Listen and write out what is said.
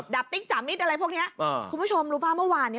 ติ๊กจามิตรอะไรพวกนี้คุณผู้ชมรู้ป่ะเมื่อวานนี้